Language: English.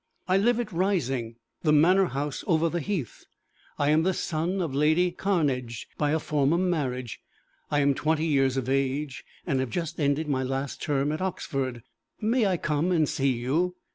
"I live at Rising, the manor house over the heath. I am the son of Lady Cairnedge by a former marriage. I am twenty years of age, and have just ended my last term at Oxford. May I come and see you?